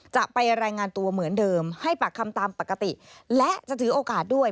จะไปรายงานตัวเหมือนเดิมให้ปากคำตามปกติและจะถือโอกาสด้วย